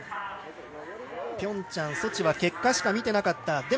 ピョンチャン、ソチは結果しか見ていなかった。